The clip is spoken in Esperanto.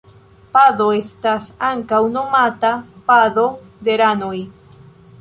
Pado esta ankaŭ nomata pado de ranoj.